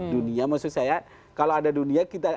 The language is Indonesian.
dunia maksud saya kalau ada dunia kita